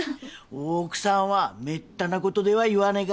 大奥さんはめったなことでは言わねえから。